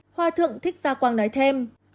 hỏa thượng thích gia quang nói thêm